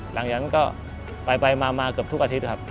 หลังจากนั้นก็ไปมาเกือบทุกอาทิตย์ครับ